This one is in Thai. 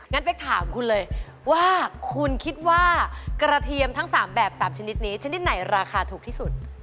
เป๊กถามคุณเลยว่าคุณคิดว่ากระเทียมทั้ง๓แบบ๓ชนิดนี้ชนิดไหนราคาถูกที่สุด